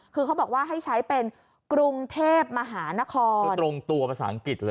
คือเขาบอกว่าให้ใช้เป็นกรุงเทพมหานครคือตรงตัวภาษาอังกฤษเลย